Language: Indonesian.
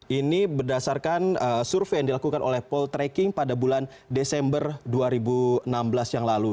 dan ini berdasarkan survei yang dilakukan oleh poltreking pada bulan desember dua ribu enam belas yang lalu